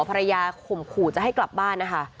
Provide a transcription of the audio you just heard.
ข่มขู่จะให้กลับบ้านนะคะ